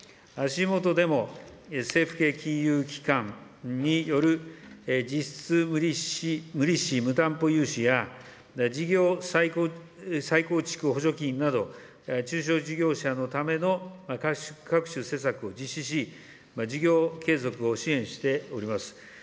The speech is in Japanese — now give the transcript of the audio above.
足もとでも政府系金融機関による実質無利子・無担保融資や、事業再構築補助金など、中小事業者のための各種施策を実施し、事業継続を支援しております。